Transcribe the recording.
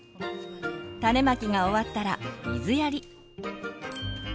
種まきが終わったら水やり。